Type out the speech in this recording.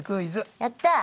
やったあ。